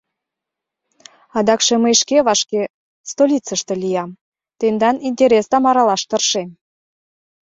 Адакше мый шке вашке столицыште лиям, тендан интересдам аралаш тыршем...